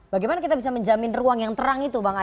bagaimana kita bisa menjamin ruang yang terang itu